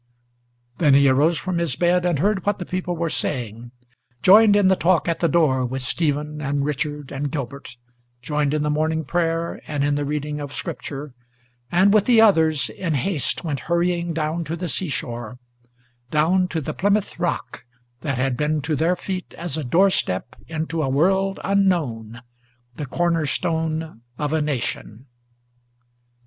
Then he arose from his bed, and heard what the people were saying, Joined in the talk at the door, with Stephen and Richard and Gilbert, Joined in the morning prayer, and in the reading of Scripture, And, with the others, in haste went hurrying down to the sea shore, Down to the Plymouth Rock, that had been to their feet as a door step Into a world unknown, the corner stone of a nation!